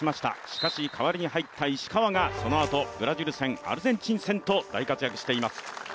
しかし、代わりに入った石川がそのあとブラジル戦、アルゼンチン戦と大活躍しています。